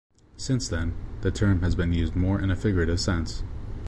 Since then, the term has been used more in a figurative sense.